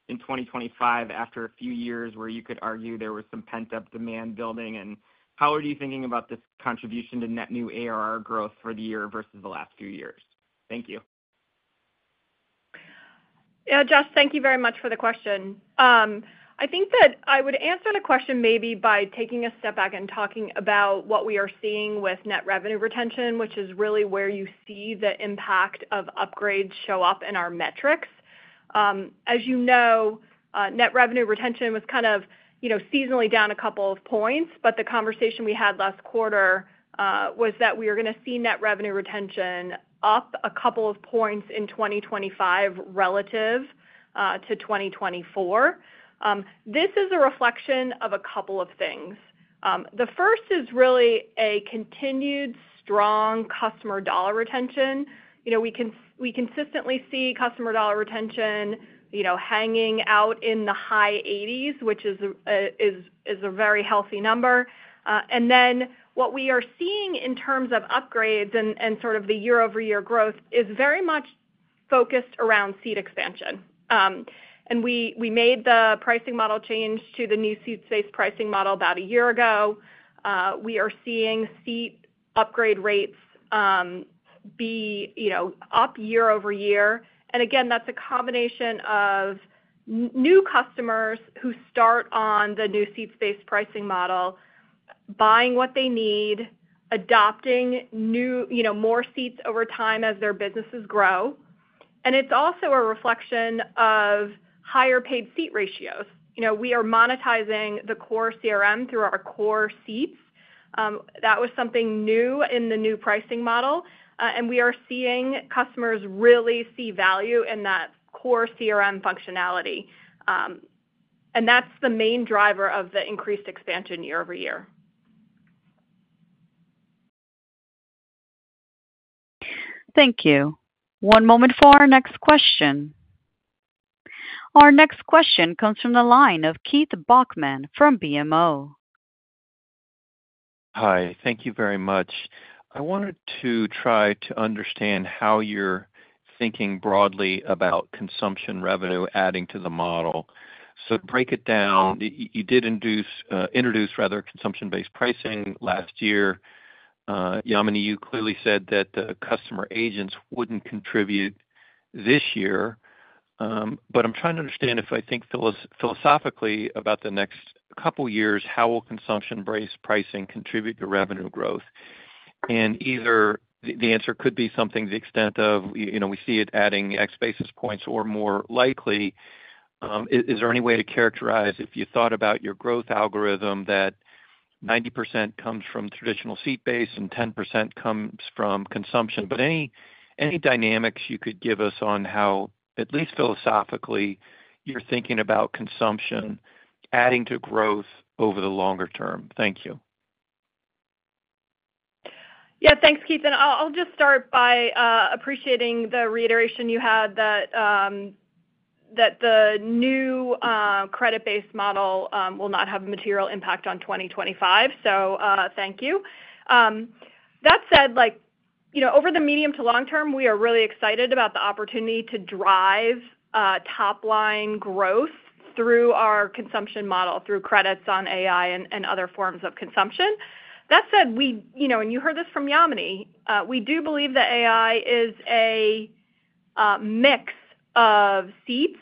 in 2025 after a few years where you could argue there was some pent-up demand building? And how are you thinking about this contribution to net new ARR growth for the year versus the last few years? Thank you. Yeah, Josh, thank you very much for the question. I think that I would answer the question maybe by taking a step back and talking about what we are seeing with net revenue retention, which is really where you see the impact of upgrades show up in our metrics. As you know, net revenue retention was kind of seasonally down a couple of points, but the conversation we had last quarter was that we are going to see net revenue retention up a couple of points in 2025 relative to 2024. This is a reflection of a couple of things. The first is really a continued strong customer dollar retention. We consistently see customer dollar retention hanging out in the high 80s, which is a very healthy number. And then what we are seeing in terms of upgrades and sort of the year-over-year growth is very much focused around seats expansion. And we made the pricing model change to the new seats-based pricing model about a year ago. We are seeing seats upgrade rates be up year-over-year. And again, that's a combination of new customers who start on the new seats-based pricing model, buying what they need, adopting more seats over time as their businesses grow. And it's also a reflection of higher paid seat ratios. We are monetizing the core CRM through our core seats. That was something new in the new pricing model. And we are seeing customers really see value in that core CRM functionality. And that's the main driver of the increased expansion year-over-year. Thank you. One moment for our next question. Our next question comes from the line of Keith Bachman from BMO. Hi. Thank you very much. I wanted to try to understand how you're thinking broadly about consumption revenue adding to the model. So to break it down, you did introduce consumption-based pricing last year. Yamini, you clearly said that the customer agents wouldn't contribute this year. But I'm trying to understand if I think philosophically about the next couple of years, how will consumption-based pricing contribute to revenue growth? And either the answer could be something to the extent of we see it adding X basis points or more likely, is there any way to characterize if you thought about your growth algorithm that 90% comes from traditional seats-based and 10% comes from consumption? But any dynamics you could give us on how, at least philosophically, you're thinking about consumption adding to growth over the longer term? Thank you. Yeah. Thanks, Keith. And I'll just start by appreciating the reiteration you had that the new credit-based model will not have a material impact on 2025. So thank you. That said, over the medium to long term, we are really excited about the opportunity to drive top-line growth through our consumption model, through credits on AI and other forms of consumption. That said, and you heard this from Yamini, we do believe that AI is a mix of seeds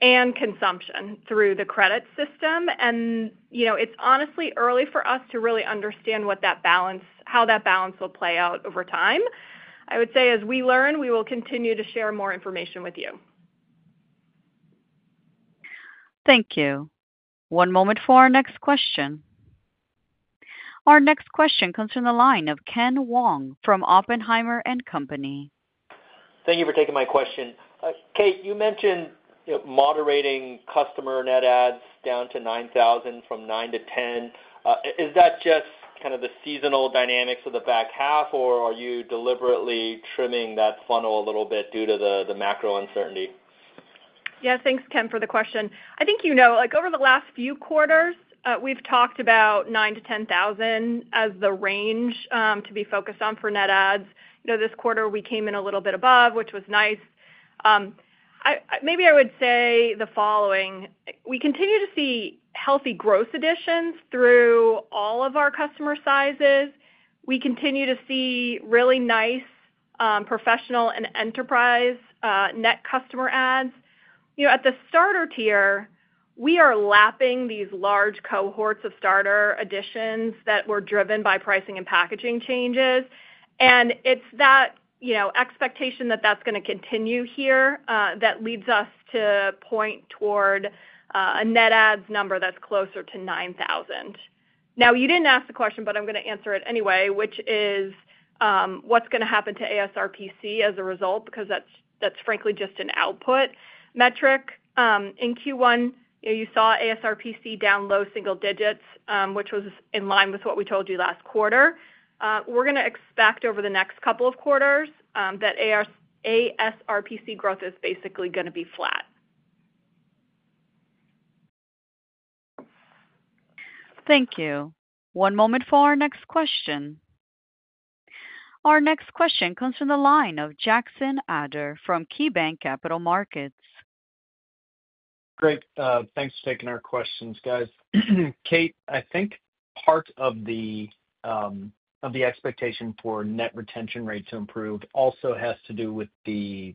and consumption through the credit system. And it's honestly early for us to really understand how that balance will play out over time. I would say as we learn, we will continue to share more information with you. Thank you. One moment for our next question. Our next question comes from the line of Ken Wong from Oppenheimer & Co. Thank you for taking my question. Kate, you mentioned moderating customer net adds down to 9,000 from 9 to 10. Is that just kind of the seasonal dynamics of the back half, or are you deliberately trimming that funnel a little bit due to the macro uncertainty? Yeah. Thanks, Ken, for the question. I think you know over the last few quarters, we've talked about 9,000-10,000 as the range to be focused on for net adds. This quarter, we came in a little bit above, which was nice. Maybe I would say the following. We continue to see healthy gross additions through all of our customer sizes. We continue to see really nice professional and enterprise net customer adds. At the starter tier, we are lapping these large cohorts of starter additions that were driven by pricing and packaging changes. And it's that expectation that that's going to continue here that leads us to point toward a net adds number that's closer to 9,000. Now, you didn't ask the question, but I'm going to answer it anyway, which is what's going to happen to ASRPC as a result because that's frankly just an output metric. In Q1, you saw ASRPC down low single digits, which was in line with what we told you last quarter. We're going to expect over the next couple of quarters that ASRPC growth is basically going to be flat. Thank you. One moment for our next question. Our next question comes from the line of Jackson Ader from KeyBanc Capital Markets. Great. Thanks for taking our questions, guys. Kate, I think part of the expectation for net retention rate to improve also has to do with the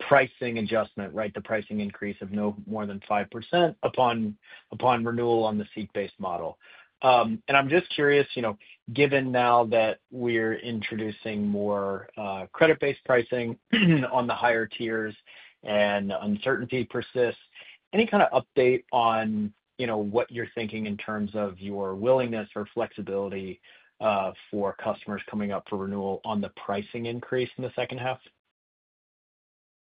pricing adjustment, right? The pricing increase of no more than 5% upon renewal on the seats-based model. I'm just curious, given now that we're introducing more credit-based pricing on the higher tiers and uncertainty persists, any kind of update on what you're thinking in terms of your willingness or flexibility for customers coming up for renewal on the pricing increase in the second half?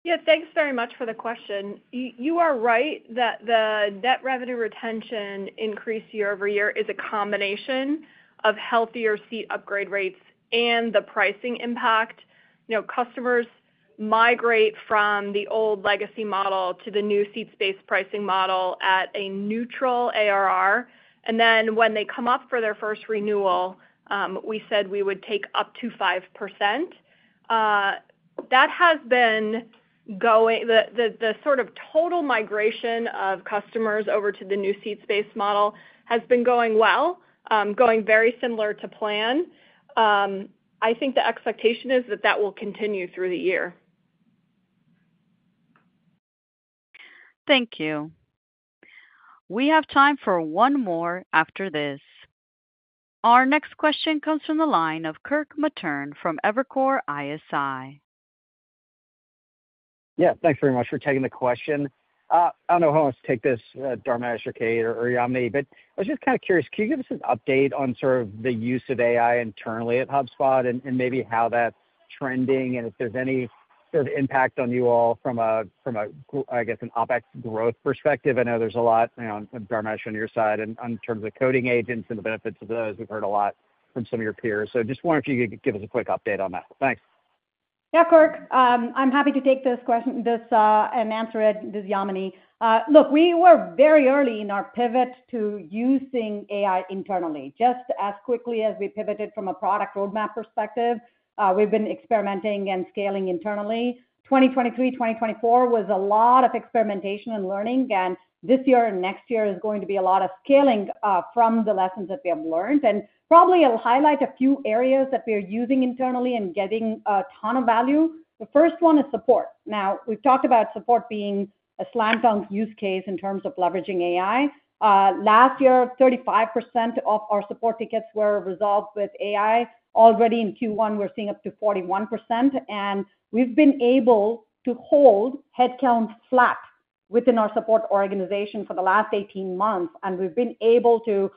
Yeah. Thanks very much for the question. You are right that the net revenue retention increase year-over-year is a combination of healthier seat upgrade rates and the pricing impact. Customers migrate from the old legacy model to the new seats-based pricing model at a neutral ARR. And then when they come up for their first renewal, we said we would take up to 5%. That has been going the sort of total migration of customers over to the new seats-based model has been going well, going very similar to plan. I think the expectation is that that will continue through the year. Thank you. We have time for one more after this. Our next question comes from the line of Kirk Materne from Evercore ISI. Yeah. Thanks very much for taking the question. I don't know how much to take this, Dharmesh or Kate or Yamini, but I was just kind of curious. Can you give us an update on sort of the use of AI internally at HubSpot and maybe how that's trending and if there's any sort of impact on you all from a, I guess, an OpEx growth perspective? I know there's a lot, Dharmesh, on your side in terms of coding agents and the benefits of those. We've heard a lot from some of your peers. So just wondering if you could give us a quick update on that. Thanks. Yeah, Kirk. I'm happy to take this question and answer it, Yamini. Look, we were very early in our pivot to using AI internally. Just as quickly as we pivoted from a product roadmap perspective, we've been experimenting and scaling internally. 2023, 2024 was a lot of experimentation and learning. And this year and next year is going to be a lot of scaling from the lessons that we have learned. And probably I'll highlight a few areas that we are using internally and getting a ton of value. The first one is support. Now, we've talked about support being a slam dunk use case in terms of leveraging AI. Last year, 35% of our support tickets were resolved with AI. Already in Q1, we're seeing up to 41%. And we've been able to hold headcount flat within our support organization for the last 18 months. And we've been able to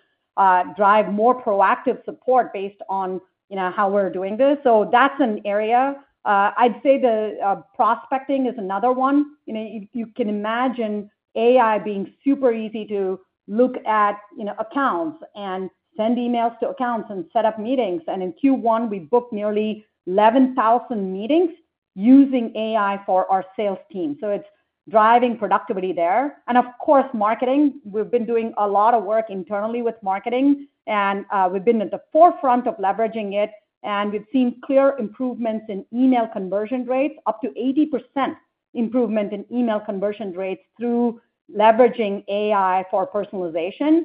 drive more proactive support based on how we're doing this. So that's an area. I'd say the prospecting is another one. You can imagine AI being super easy to look at accounts and send emails to accounts and set up meetings. And in Q1, we booked nearly 11,000 meetings using AI for our sales team. So it's driving productivity there. And of course, marketing. We've been doing a lot of work internally with marketing. And we've been at the forefront of leveraging it. And we've seen clear improvements in email conversion rates, up to 80% improvement in email conversion rates through leveraging AI for personalization.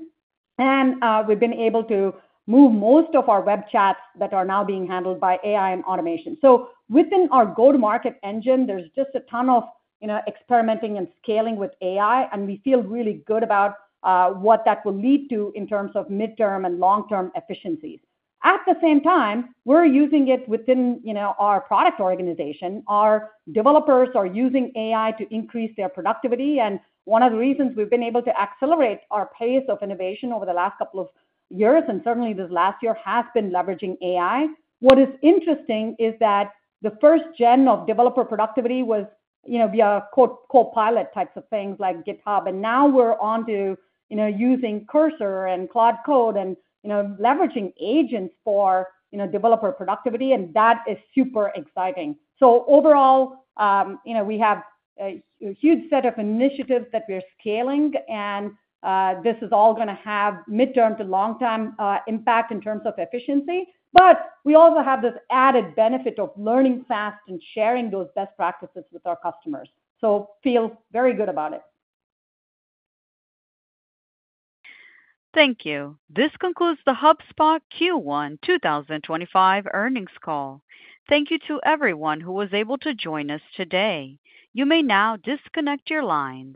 And we've been able to move most of our web chats that are now being handled by AI and automation. So within our go-to-market engine, there's just a ton of experimenting and scaling with AI. And we feel really good about what that will lead to in terms of midterm and long-term efficiencies. At the same time, we're using it within our product organization. Our developers are using AI to increase their productivity. And one of the reasons we've been able to accelerate our pace of innovation over the last couple of years, and certainly this last year, has been leveraging AI. What is interesting is that the first gen of developer productivity was via Copilot types of things like GitHub. And now we're on to using Cursor and Claude Code and leveraging agents for developer productivity. And that is super exciting. So overall, we have a huge set of initiatives that we're scaling. And this is all going to have midterm to long-term impact in terms of efficiency. But we also have this added benefit of learning fast and sharing those best practices with our customers. So feel very good about it. Thank you. This concludes the HubSpot Q1 2025 Earnings Call. Thank you to everyone who was able to join us today. You may now disconnect your line.